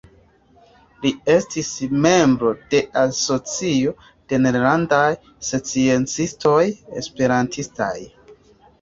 Li estis membro de Asocio de Nederlandaj Sciencistoj Esperantistaj.